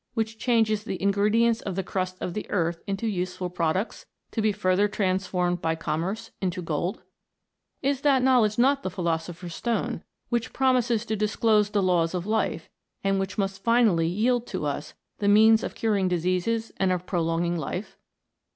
which changes the ingredients of the crust of the earth into useful products, to be further transformed by commerce into gold 1 Is that knowledge not the philosopher's stone which promises to disclose the laws of life, and which must finally yield to us the means of curing diseases and of prolonging life